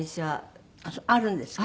あるんですか？